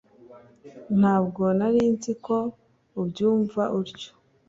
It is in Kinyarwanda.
ntabwo nari nzi ko ubyumva utyo